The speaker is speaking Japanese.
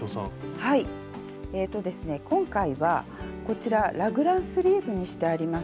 今回はこちらラグランスリーブにしてあります。